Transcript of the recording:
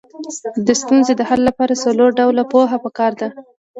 د ستونزې د حل لپاره څلور ډوله پوهه پکار ده.